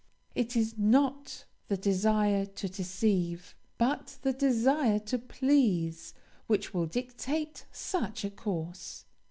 It is not the desire to deceive, but the desire to please, which will dictate such a course.